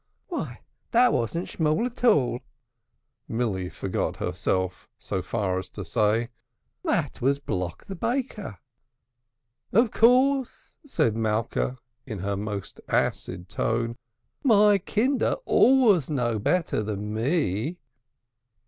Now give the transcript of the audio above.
"Why, that, wasn't Shmool at all," Milly forgot herself so far as to say, "that was Block the Baker." "Of course!" said Malka in her most acid tone. "My kinder always know better than me."